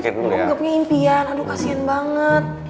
gue gak punya impian aduh kasian banget